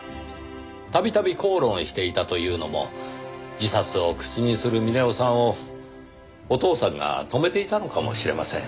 度々口論していたというのも自殺を口にする峰夫さんをお父さんが止めていたのかもしれません。